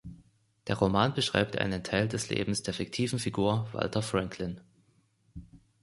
Der Roman beschreibt einen Teil des Lebens der fiktiven Figur Walter Franklin.